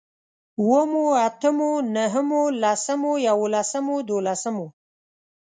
اوومو، اتمو، نهمو، لسمو، يوولسمو، دوولسمو